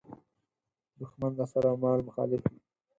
دوښمن د سر او مال مخالف وي.